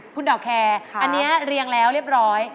คุณดอกแคร์อันนี้เรียงแล้วเรียบร้อย